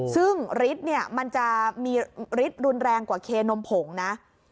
ซึ่งฤทธิ์เนี่ยมันจะมีฤทธิ์รุนแรงกว่าเคนมผงนะ